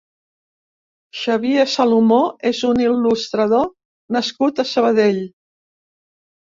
Xavier Salomó és un il·lustrador nascut a Sabadell.